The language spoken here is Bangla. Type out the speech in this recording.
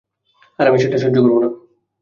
আর আমি সেটা সহ্য করবো না।